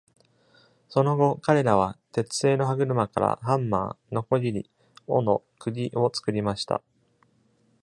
その後、彼らは鉄製の歯車からハンマー、のこぎり、斧、釘を作りました。